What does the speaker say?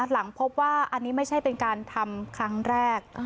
หลังพบว่าอันนี้ไม่ใช่เป็นการทำครั้งแรก